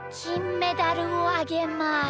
メダルをあげます。